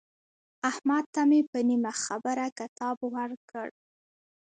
احمد ته مې په نیمه خبره کتاب ورکړ.